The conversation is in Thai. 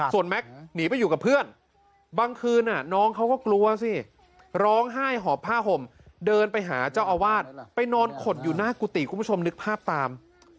ส่วนแม็กซ์หนีไปอยู่กับเพื่อนบางคืนน้องเขาก็กลัวสิร้องไห้หอบผ้าห่มเดินไปหาเจ้าอาวาสไปนอนขดอยู่หน้ากุฏิคุณผู้ชมนึกภาพตาม